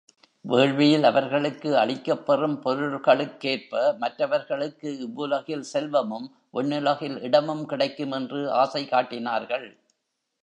வேள்வியில் அவர்களுக்கு அளிக்கப் பெறும் பொருள்களுக்கேற்ப மற்றவர்களுக்கு இவ்வுலகில் செல்வமும் விண்ணுலகில் இடமும் கிடைக்குமென்று ஆசை காட்டினார்கள்.